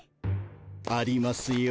ありますよ。